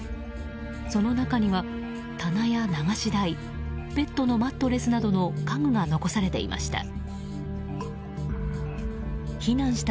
その中には、棚や流し台ペットのマットレスなどの家具が残されていました。